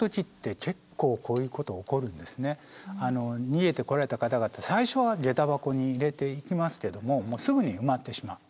逃げてこられた方々最初はげた箱に入れていきますけどもすぐに埋まってしまう。